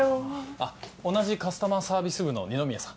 あっ同じカスタマーサービス部の二宮さん。